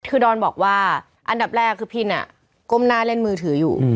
คือดอนบอกว่าอันดับแรกคือพินก้มหน้าเล่นมือถืออยู่